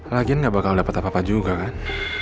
lagian gak bakal dapat apa apa juga kan